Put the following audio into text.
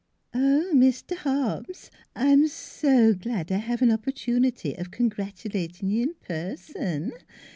" Oh, M /j ter Hobbs, I'm so glad I have an opportunity of congratulating you in person!"